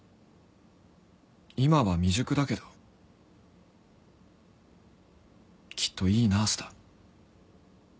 今は未熟だけどきっといいナースだ。